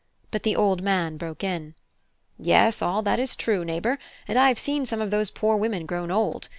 But the old man broke in: "Yes, all that is true, neighbour; and I have seen some of those poor women grown old.